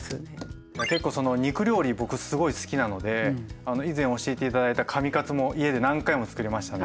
結構その肉料理僕すごい好きなので以前教えて頂いた紙カツも家で何回もつくりましたね。